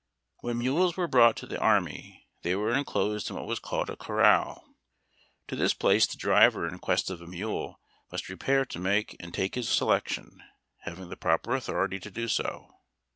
When mules were brought to the army they were enclosed in what was called a corral. To this place the driver in quest of a mule must repair to make and take his selection, having the proper authority to do so.